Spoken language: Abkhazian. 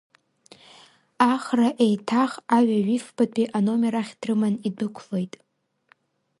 Ахра еиҭах аҩажәифбатәи аномер ахь дрыман идәықәлеит.